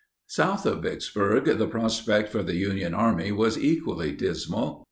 ] South of Vicksburg the prospect for the Union Army was equally dismal.